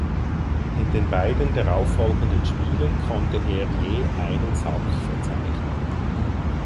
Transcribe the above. In den beiden darauffolgenden Spielen konnte er je einen Sack verzeichnen.